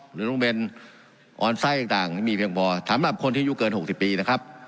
โรงเรียนออนไซต์ต่างมีเพียงพอสำหรับคนที่อายุเกิน๖๐ปีนะครับ